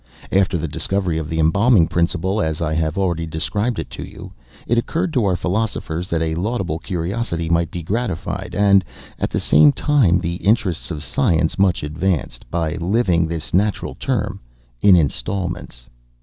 After the discovery of the embalming principle, as I have already described it to you, it occurred to our philosophers that a laudable curiosity might be gratified, and, at the same time, the interests of science much advanced, by living this natural term in installments.